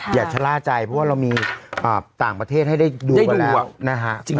อย่าทะลาใจเมื่อเรามีต่างประเทศให้ดู